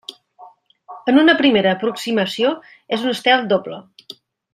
En una primera aproximació és un estel doble.